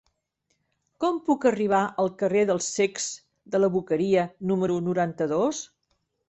Com puc arribar al carrer dels Cecs de la Boqueria número noranta-dos?